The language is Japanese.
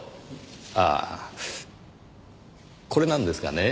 ああこれなんですがね。